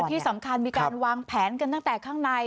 ที่สำคัญมีการวางแผนกันตั้งแต่ข้างใน